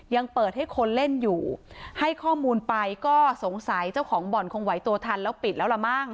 ยังเปิดให้คนเล่นอยู่ให้ข้อมูลไปก็สงสัยเจ้าของบ่อนคงไหวตัวทันแล้วปิดแล้วล่ะมั่ง